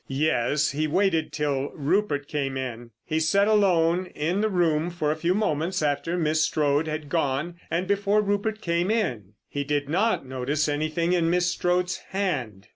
Yes, he waited till Rupert came in. He sat alone in the room for a few moments after Miss Strode had gone and before Rupert came in. He did not notice anything in Miss Strode's hand.